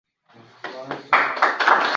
U hech narsa yoza olmaydi va